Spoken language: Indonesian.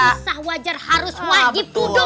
itu sah wajar harus wajib duduk